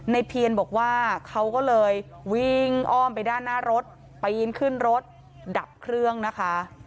เพียนบอกว่าเขาก็เลยวิ่งอ้อมไปด้านหน้ารถปีนขึ้นรถดับเครื่องนะคะ